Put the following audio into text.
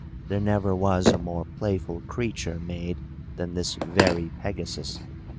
There never was a more playful creature made than this very Pegasus.